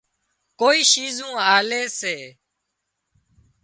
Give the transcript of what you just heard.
ڪوئي شِيزُون آلي سي